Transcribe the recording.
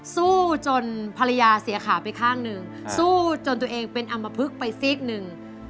สู้จนภรรยาเสียขาไปข้างหนึ่งสู้จนตัวเองเป็นอำมพลึกไปซีกหนึ่ง